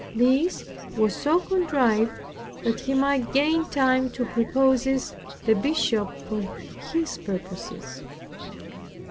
This was so contrived, that he might gain time to prepossess the Bishop for his purposes.